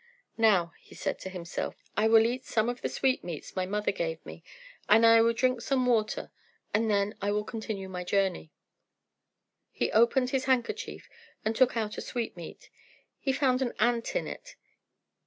"Now," he said to himself, "I will eat some of the sweetmeats my mother gave me, and I will drink some water, and then I will continue my journey." He opened his handkerchief, and took out a sweetmeat. He found an ant in it.